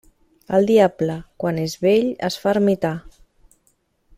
El diable, quan és vell, es fa ermità.